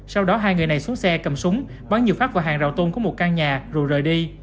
sau đó hai người này xuống xe cầm súng bắn nhiều phát vào hàng rào tôn của một căn nhà rồi rời đi